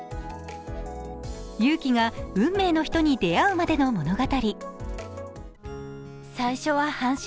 優貴が運命の人に出会うまでの物語。